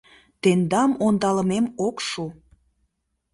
Тендам ондалымем ок шу.